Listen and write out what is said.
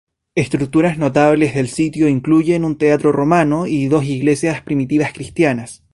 Estructuras notables del sitio incluyen un teatro romano y dos iglesias primitivas cristianas.